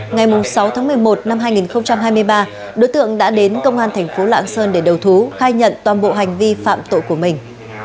ngày sáu tháng một mươi một năm hai nghìn hai mươi ba đối tượng đã đến công an thành phố lạng sơn để đầu thú khai nhận toàn bộ hành vi phạm tội của mình